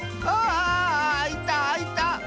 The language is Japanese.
ああいたあいた！